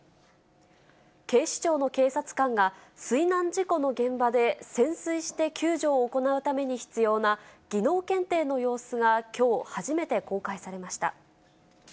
警視庁の警察官が、水難事故の現場で潜水して救助を行うために必要な技能検定の様子がきょう、初めて公開されました。